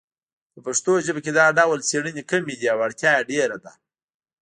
په پښتو ژبه کې دا ډول څیړنې کمې دي او اړتیا یې ډېره ده